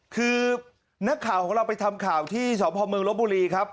คือนักข่าวของเราไปทำข่าวที่สพเมืองลบบุรีครับ